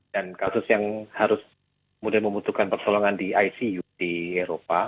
dan kasus yang harus mudah membutuhkan persolongan di icu di eropa